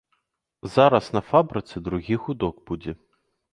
Зараз на фабрыцы другі гудок будзе.